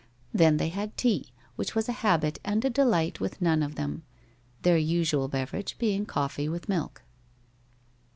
Then they had tea, which was a habit and a delight with none of them, their usual beverage being coffee with milk.